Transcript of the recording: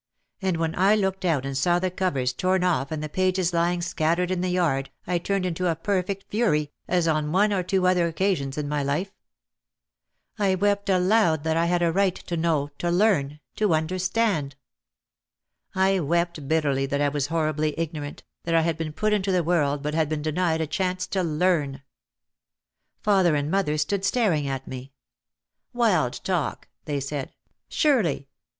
And when I looked out and saw the covers torn off and the pages lying scattered in the yard I turned into a perfect fury, as on one or two other occasions in my life. I wept aloud that I had a right to know, to learn, to understand. I wept bitterly that I was horribly ignorant, that I had been put into the world but had been denied a chance to learn. Father and mother stood staring at me. "Wild talk," they said. Surely!